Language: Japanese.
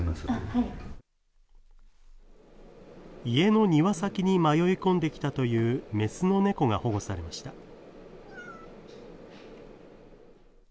家の庭先に迷い込んできたという雌の猫が保護されました。